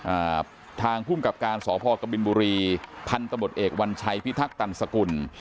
อ่าทางภูมิกับการสพกบินบุรีพันธบทเอกวัญชัยพิทักตันสกุล